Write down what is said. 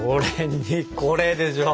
これでしょ。